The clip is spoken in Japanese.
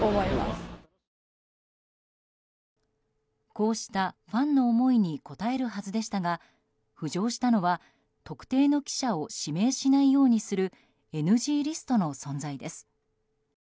こうしたファンの思いに応えるはずでしたが浮上したのは、特定の記者を指名しないようにするＮＧリストの存在です。